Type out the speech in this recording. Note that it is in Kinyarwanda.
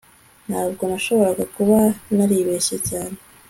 Ntabwo nashoboraga kuba naribeshye cyane